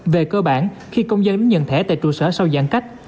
về cơ bản khi công dân đến nhận thẻ tại trụ sở sau giãn cách